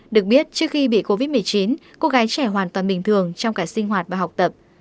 được biết trước khi bị covid một mươi chín cô gái trẻ hoàn toàn bình thường trong cả sinh hoạt và học tập